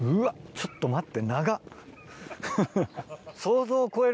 ちょっと待って。